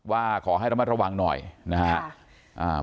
ว่าขอให้ระมัดระวังหน่อยนะครับ